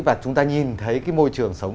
và chúng ta nhìn thấy cái môi trường sống